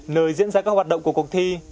nơi diễn ra các hoạt động của cuộc thi